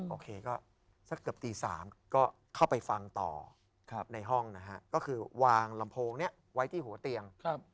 โอเคก็สักเกือบตี๓ก็เข้าไปฟังต่อในห้องนะฮะก็คือวางลำโพงนี้ไว้ที่หัวเตียง